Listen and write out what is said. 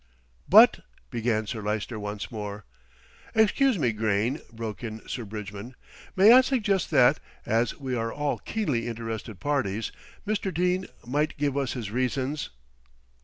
"But " began Sir Lyster once more. "Excuse me, Grayne," broke in Sir Bridgman, "may I suggest that, as we are all keenly interested parties, Mr. Dene might give us his reasons."